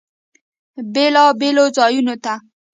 بیلابیلو ځایونو ته